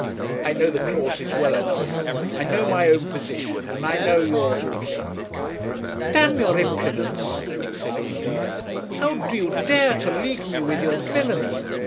'I know the clauses well enough; I know my own position; and I know yours also.' 'D your impudence!' said Undy; 'how do you dare to league me with your villany?